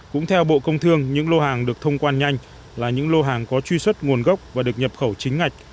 cũng theo bộ công thương những lô hàng được thông quan nhanh là những lô hàng có truy xuất nguồn gốc và được nhập khẩu chính ngạch